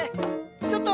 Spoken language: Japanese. ちょっと！